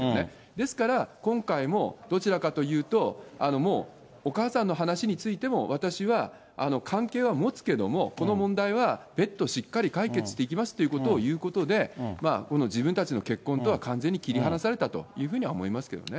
ですから、今回も、どちらかというと、もう、お母さんの話についても、私は関係は持つけども、この問題は別途、しっかり解決できますということを言うことで、この自分たちの結婚とは完全に切り離されたというふうには思いますけどね。